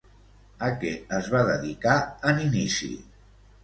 A què es va dedicar en inici?